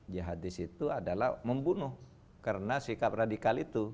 jihadis itu adalah membunuh karena sikap radikal itu